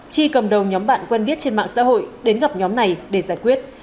chi cầm đầu nhóm bạn quen biết trên mạng xã hội đến gặp nhóm này để giải quyết